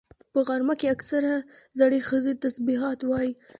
په غرمه کې اکثره زړې ښځې تسبيحات وایي